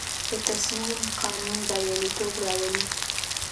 د تصمیم قانون بریالیتوب راولي.